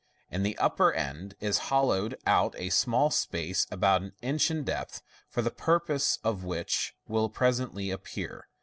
In the upper end is hollowed out a small space, about an inch in depth, for a purpose which will presently appear.